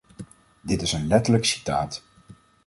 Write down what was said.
Dit is een letterlijk citaat.